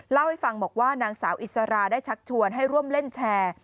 เล่าให้ฟังบอกว่านางสาวอิสราได้ชักชวนให้ร่วมเล่นแชร์